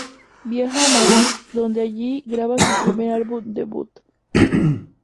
Viaja a Madrid, donde allí graba su primer álbum debut.